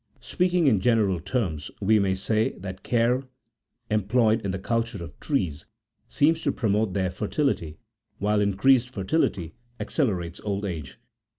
Speaking in general terms, we may say that care employed in the culture of trees seems to promote their fer tility, while increased fertility accelerates old age.